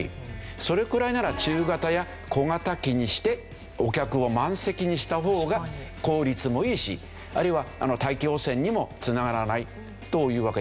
それくらいなら中型や小型機にしてお客を満席にした方が効率もいいしあるいは大気汚染にもつながらないというわけで。